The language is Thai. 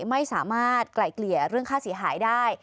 ไม่สามารถไกล่เกลี่ยเรื่องค่าเสียหายได้